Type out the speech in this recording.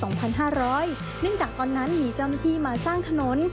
เนื่องจากตอนนั้นมีเจ้าหน้าที่มาสร้างถนน